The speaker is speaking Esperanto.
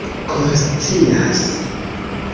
konscias